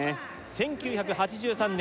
１９８３年